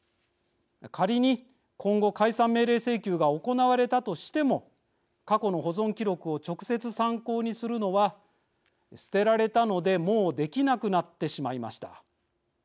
仮に今後、解散命令請求が行われたとしても過去の保存記録を直接、参考にするのは捨てられたのでもうできなくなってしまいました。